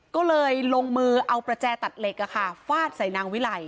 ก็เลยลงมือเอาประแจตัดเหล็กฟาดใส่นางวิไล